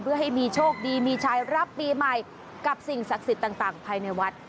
เพื่อให้มีโชคดีมีชายรับปีใหม่กับสิ่งศักดิ์สิทธิ์ต่างภายในวัด